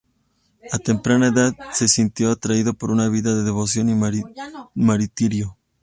A temprana edad se sintió atraído por una vida de devoción y martirio.